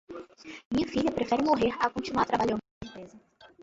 Minha filha, prefiro morrer a continuar trabalhando nesta empresa